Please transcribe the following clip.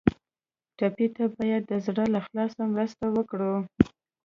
ټپي ته باید د زړه له اخلاص مرسته وکړو.